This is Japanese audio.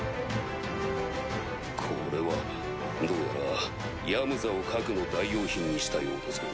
これはどうやらヤムザを核の代用品にしたようだぞ。